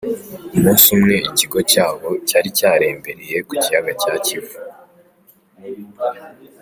Umunsi umwe ikigo cyabo cyari cyarembereye ku Kiyaga cya Kivu.